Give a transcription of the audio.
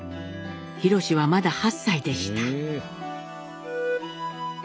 廣はまだ８歳でした。